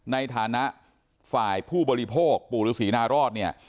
ในฐานะฝ่ายผู้บริโภคปู่ฤษีนารอดเนี่ย